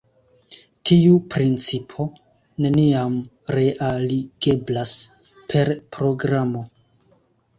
Tiu principo neniam realigeblas per programo.